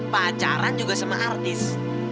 pacaran juga sama artis